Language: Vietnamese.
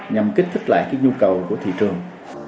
nhằm kích thích lại cái nhu cầu của thị trường